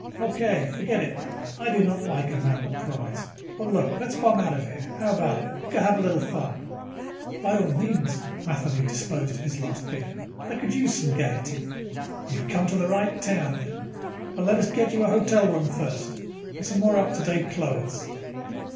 "Okay. Forget it. I do not like a man that pries. But look, let's bomb out of here, how about it? Go have a little fun." "By all means." Matheny disposed of his last beer. "I could use some gaiety." "You have come to the right town then. But let us get you a hotel room first and some more up to date clothes."